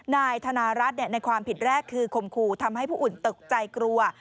นายธนารัฐในความผิดแรกคือข่มขู่ทำให้ผู้อื่นตกใจกลัว